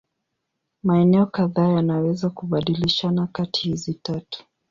Maeneo kadhaa yanaweza kubadilishana kati hizi tatu.